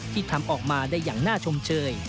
ทำออกมาได้อย่างน่าชมเชย